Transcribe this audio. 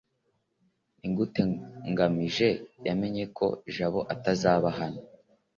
nigute ngamije yamenye ko jabo atazaba hano